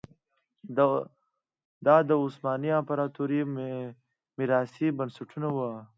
دا د عثماني امپراتورۍ میراثي بنسټونه وو.